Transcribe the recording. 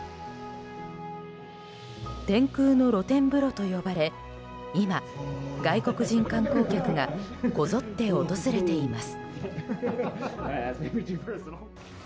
天空の露天風呂と呼ばれ今、外国人観光客がこぞって訪れています。